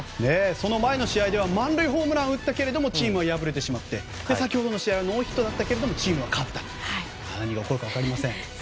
その前の試合では満塁ホームランを打ったけどもチームは敗れてしまって先ほどの試合はノーヒットですがチームは勝った何が起こるか分かりません。